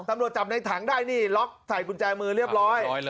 ตำรวจจับในถังได้นี่ล็อกใส่กุญแจมือเรียบร้อย